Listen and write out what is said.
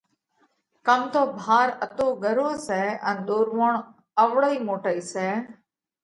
ڪم تو ڀار اتو ڳرو سئہ ان ۮورووڻ اوَڙئِي موٽئي سئہ